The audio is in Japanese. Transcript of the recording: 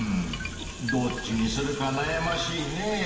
どっちにするかなやましいねぇ。